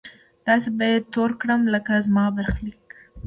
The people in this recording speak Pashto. داسې به يې تور کړم لکه زما برخليک